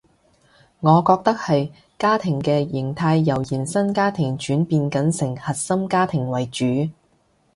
我覺得係家庭嘅型態由延伸家庭轉變緊成核心家庭為主